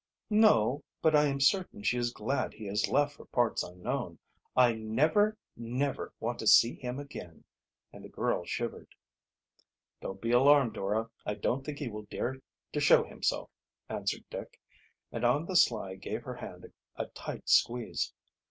"No. But I am certain she is glad he has left for parts unknown. I never, never, want to see him again," and the girl shivered. "Don't be alarmed, Dora; I don't think he will dare to show himself," answered Dick, and on the sly gave her hand a tight squeeze.